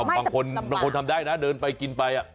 บางคนทำได้นะเดินไปกินไป